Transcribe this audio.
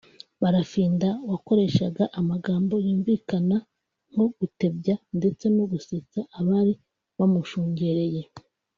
Barafinda wakoreshaga amagambo yumvikana nko gutebya ndetse no gusetsa abari bamushungereye